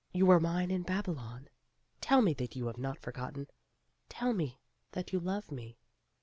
You were mine in Babylon. Tell me that you have not forgotten. Tell me that you love me.